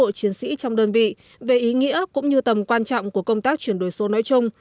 đơn vị cũng đã phối hợp với các đơn vị trong đơn vị về ý nghĩa cũng như tầm quan trọng của công tác chuyển đổi số nói chung